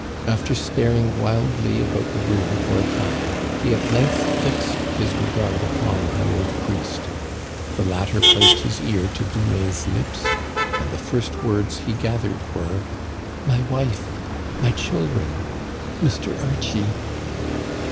After staring wildly around the room for a time, he at length fixed his regard upon the old priest. The latter placed his ear to Dumais's lips, and the first words he gathered were :" My wife ! My children ! Mr. Archie